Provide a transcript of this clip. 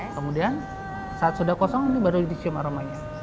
kemudian saat sudah kosong ini baru dicium aromanya